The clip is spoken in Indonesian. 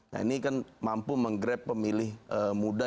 nah ini kan mampu menggrab pemilih muda yang masih muda